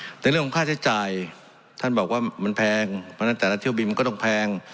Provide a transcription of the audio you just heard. ในเรื่องของค่าใช้จ่ายท่านบอกว่ามันแพงเพราะฉะนั้นแต่ละเที่ยวบินมันก็ต้องแพง